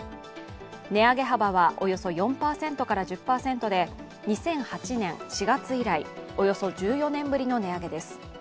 値上げ幅はおよそ４％から１０％で２００８年４月以来およそ１４年ぶりの値上げです。